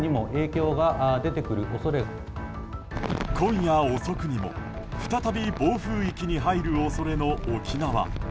今夜遅くにも再び暴風域に入る恐れの沖縄。